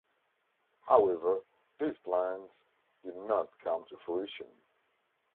However, these plans did not come to fruition.